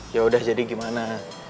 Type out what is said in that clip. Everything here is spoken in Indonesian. yaudah jadi gimana